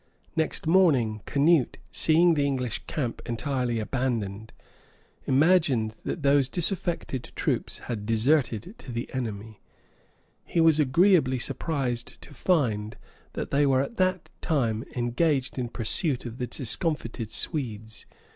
Next morning, Canute, seeing the English camp entirely abandoned, imagined that those disaffected troops had deserted to the enemy: he was agreeably surprised to find that they were at that time engaged in pursuit of the discomfited Swedes.